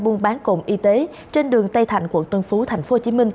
buôn bán cổng y tế trên đường tây thạnh quận tân phú tp hcm